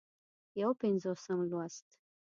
یو پينځوسم لوست